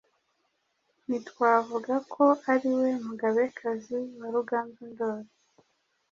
ntitwavuga ko ari we Mugabekazi wa Ruganzu Ndori.